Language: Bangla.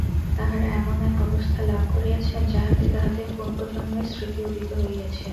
তাঁহারা এমন এক অবস্থা লাভ করিয়াছেন, যাহাতে তাঁহাদের পূর্বজন্মের স্মৃতি উদিত হইয়াছে।